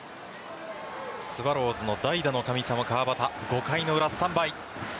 スワローズの代打の神様・川端５回の裏、スタンバイ。